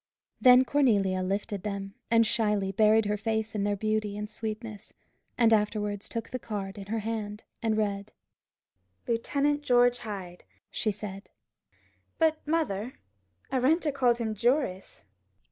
Then Cornelia lifted them, and shyly buried her face in their beauty and sweetness; and afterwards took the card in her hand and read "Lieutenant George Hyde." "But, mother," she said, "Arenta called him Joris."